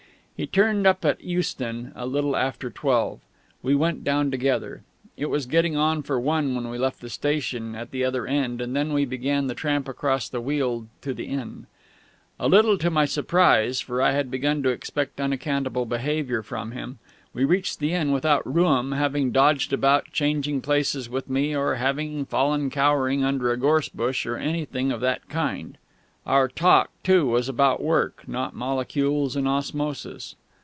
He turned up at Euston, a little after twelve. We went down together. It was getting on for one when we left the station at the other end, and then we began the tramp across the Weald to the inn. A little to my surprise (for I had begun to expect unaccountable behaviour from him) we reached the inn without Rooum having dodged about changing places with me, or having fallen cowering under a gorse bush, or anything of that kind. Our talk, too, was about work, not molecules and osmosis.